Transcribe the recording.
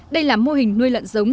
đây là mô hình nuôi lợn giống